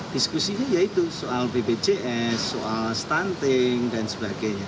diskusinya ya itu soal bpjs soal stunting dan sebagainya